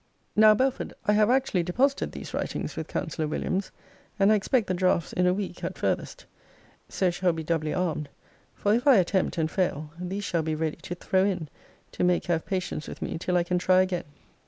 Now, Belford, I have actually deposited these writings with Counsellor Williams; and I expect the draughts in a week at farthest. So shall be doubly armed. For if I attempt, and fail, these shall be ready to throw in, to make her have patience with me till I can try again.